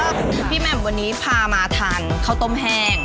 ก็พี่แหม่มวันนี้พามาทานข้าวต้มแห้ง